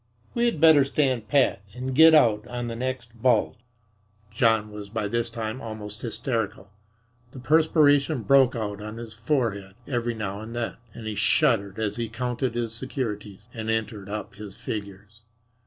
We had better stand pat and get out on the next bulge." John was by this time almost hysterical. The perspiration broke out on his forehead every now and then, and he shuddered as he counted his securities and entered up his figures.